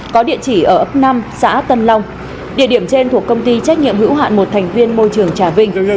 có địa chỉ ở ấp năm xã tân long địa điểm trên thuộc công ty trách nhiệm hữu hạn một thành viên môi trường trà vinh